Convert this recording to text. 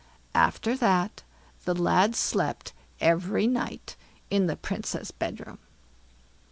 After that the lad slept every night in the Princess' bedroom.